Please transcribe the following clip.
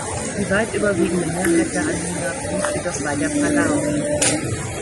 Die weit überwiegende Mehrheit der Anhänger blieb jedoch bei der Falange.